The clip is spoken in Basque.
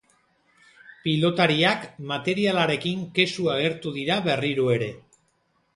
Pilotariak materialarekin kexu agertu dira berriro ere.